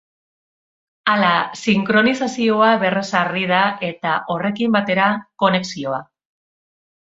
Hala, sinkronizazioa berrezarri da eta horrekin batera, konexioa.